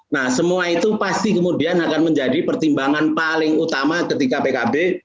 nah semua itu pasti kemudian akan menjadi pertimbangan paling utama ketika pkb